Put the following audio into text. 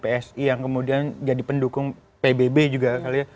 psi yang kemudian jadi pendukung pbb juga kali ya